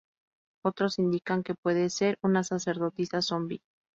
Otros indican que puede ser una sacerdotisa zombi.